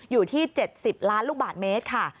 อยู่ที่๗๐ล้านลูกบาทเมตรค่ะ